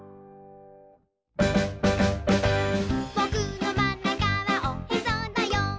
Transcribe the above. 「ぼくのまんなかはおへそだよ」